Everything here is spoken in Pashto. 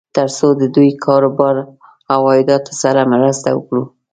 تر څو د دوی کار و بار او عایداتو سره مرسته وکړو.